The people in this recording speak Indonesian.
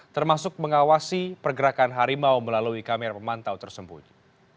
termasuk mengawasi pergerakan harimau melalui kamera pemantau tersembunyi